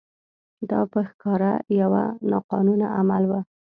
دا په ښکاره یو ناقانونه عمل و.